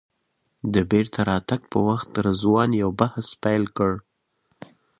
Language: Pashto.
د بېرته راتګ په وخت رضوان یو بحث پیل کړ.